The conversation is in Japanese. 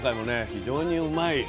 非常にうまいッ！